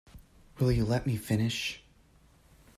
Will you let me finish?